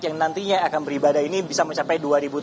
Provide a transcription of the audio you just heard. yang nantinya akan beribadah ini bisa mencapai dua ribu tujuh belas